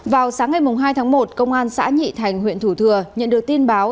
vào sáng ngày hai tháng một công an xã nhị thành huyện thủ thừa nhận được tin báo